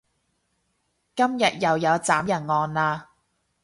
今日又有斬人案喇